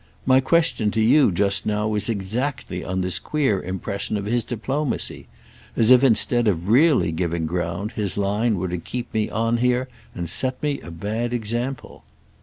My question to you just now was exactly on this queer impression of his diplomacy: as if instead of really giving ground his line were to keep me on here and set me a bad example."